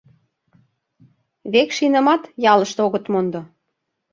Векшинымат ялыште огыт мондо».